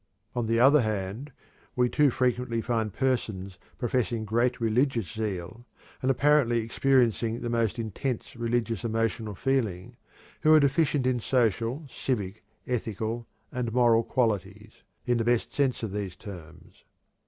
On the other hand, we too frequently find persons professing great religious zeal, and apparently experiencing the most intense religious emotional feeling, who are deficient in social, civic, ethical, and moral qualities, in the best sense of these terms.